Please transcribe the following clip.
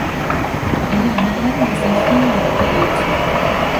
Elle est la marraine de sa fille Berthe.